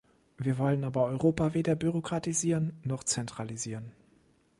Wir wollen aber Europa weder bürokratisieren noch zentralisieren.